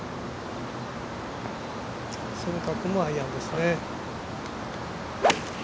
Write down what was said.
蝉川君もアイアンですね。